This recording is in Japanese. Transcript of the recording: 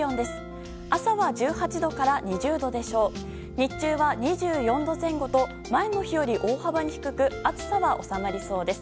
日中は２４度前後と前の日より大幅に低く暑さは収まりそうです。